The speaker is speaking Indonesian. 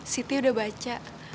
siti udah baca